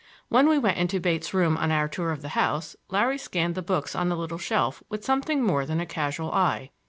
When we went into Bates' room on our tour of the house, Larry scanned the books on a little shelf with something more than a casual eye.